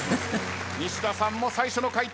西田さんも最初の回答で一本。